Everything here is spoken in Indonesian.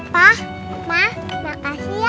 pa ma makasih ya